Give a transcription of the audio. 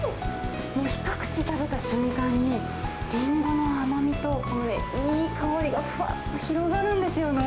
もう一口食べた瞬間に、リンゴの甘みと、いい香りがふわっと広がるんですよね。